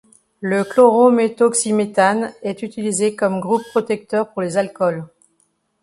Le chlorométhoxyméthane est utilisé comme groupe protecteur pour les alcools.